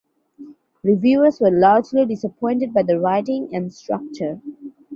Reviewers were largely disappointed by the writing and structure.